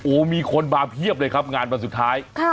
โอ้โหมีคนมาเพียบเลยครับงานวันสุดท้าย